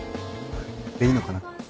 でいいのかな？